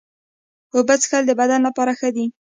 اوبه څښل د بدن لپاره ښه دي.